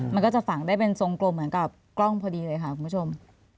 มันก็จะฝังได้เป็นทรงกลมเหมือนกับกล้องพอดีเลยค่ะคุณผู้ชม